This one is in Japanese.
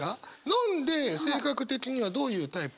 飲んで性格的にはどういうタイプの？